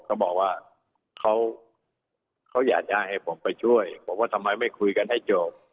เขาบอกว่าเขาอยากจะให้ผมไปช่วยผมว่าทำไมไม่คุยกันให้จบ